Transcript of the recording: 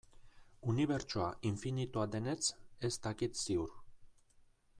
Unibertsoa infinitua denetz ez dakit ziur.